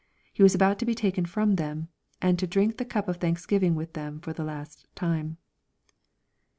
He was about to be taken fruni them, and to drink the cup of thanksgiving with them for the last time.